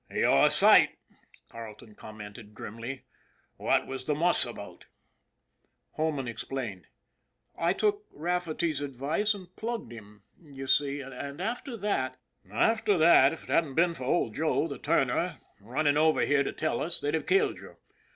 "You're a sight," Carleton commented grimly. " What was the muss about? " Holman explained. " I took Rafferty's advice and plugged him, you see, and after that "" After that if it hadn't been for old Joe, the turner, running over here to tell us, they'd have killed you.